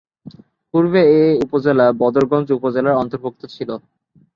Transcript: পুর্বে এ উপজেলা বদরগঞ্জ উপজেলার অর্ন্তভূক্ত ছিল।